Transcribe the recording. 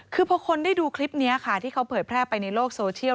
คือพอคนได้ดูคลิปนี้ค่ะที่เขาเผยแพร่ไปในโลกโซเชียล